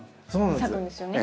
咲くんですよね？